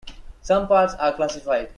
Some parts are classified.